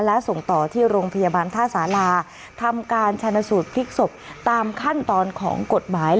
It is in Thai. และส่งต่อที่โรงพยาบาลท่าสาราทำการชนสูตรพลิกศพตามขั้นตอนของกฎหมาย